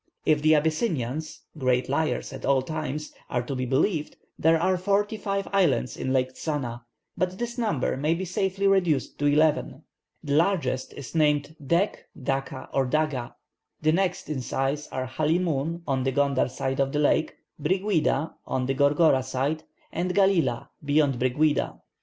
If the Abyssinians, great liars at all times, are to be believed, there are forty five islands in Lake Tzana; but this number may be safely reduced to eleven. The largest is named Dek, Daka, or Daga; the next in size are Halimoon, on the Gondar side of the lake, Briguida, on the Gorgora side, and Galila, beyond Briguida.